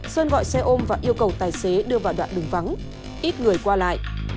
sơn gọi xe ôm và yêu cầu tài xế đưa vào đoạn đường vắng ít người qua lại